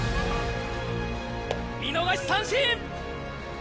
見逃し三振！